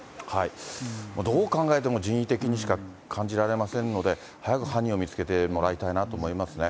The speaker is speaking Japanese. どう考えても、人為的にしか感じられませんので、早く犯人を見つけてもらいたいなと思いますね。